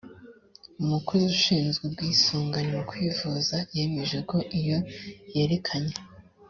umukozi ushinzwe ubwisungane mu kwivuza yemeje ko iyo yerekanye